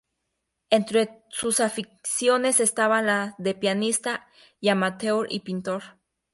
Entre sus aficiones estaban las de pianista amateur y pintor.